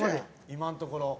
今のところ。